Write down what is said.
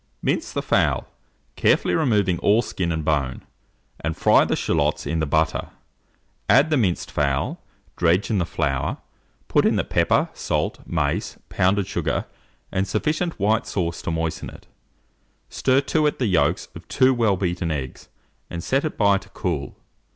Mince the fowl, carefully removing all skin and bone, and fry the shalots in the butter; add the minced fowl, dredge in the flour, put in the pepper, salt, mace, pounded sugar, and sufficient white sauce to moisten it; stir to it the yolks of 2 well beaten eggs, and set it by to cool.